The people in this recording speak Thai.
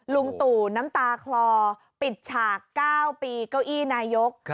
ลุงตู่น้ำตาคลอปิดฉาก๙ปีเก้าอี้นายก